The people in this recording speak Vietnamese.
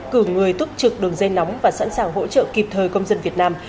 cử người túc trực đường dây nóng và sẵn sàng hỗ trợ kịp thời công dân việt nam